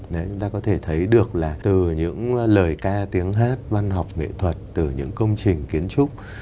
đấy chúng ta có thể thấy được là từ những lời ca tiếng hát văn học nghệ thuật từ những công trình kiến trúc